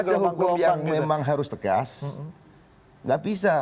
kalau ada hukum yang memang harus tegas nggak bisa